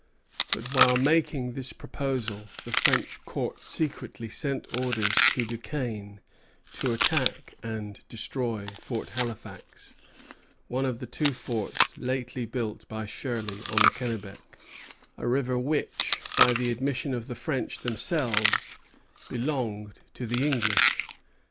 But while making this proposal the French Court secretly sent orders to Duquesne to attack and destroy Fort Halifax, one of the two forts lately built by Shirley on the Kennebec, a river which, by the admission of the French themselves, belonged to the English.